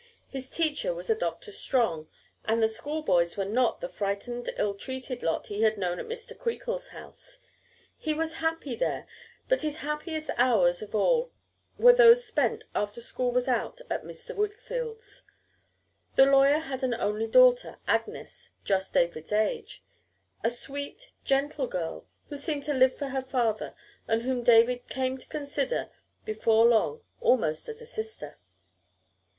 His teacher was a Doctor Strong, and the school boys were not the frightened, ill treated lot he had known at Mr. Creakle's house. He was happy there, but his happiest hours of all were those spent, after school was out, at Mr. Wickfield's. The lawyer had an only daughter, Agnes, just David's age, a sweet, gentle girl, who seemed to live for her father, and whom David came to consider before long almost as a sister.